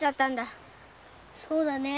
そうだね。